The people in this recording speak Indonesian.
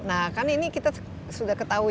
tapiiuu itu kan pearah